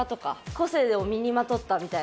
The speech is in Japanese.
個性を身にまとったみたいな。